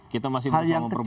kita masih bersama perbaikan